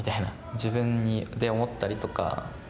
自分で思ってたりとか。